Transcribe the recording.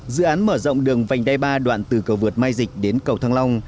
dự án mở rộng đường vành đai ba đoạn từ cầu vượt mai dịch đến cầu thăng long